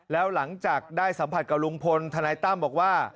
แล้วหลังจากได้สัมผัสกับลุงพลทนายตั้มบอกว่า